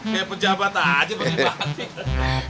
kayak pejabat aja pakai bat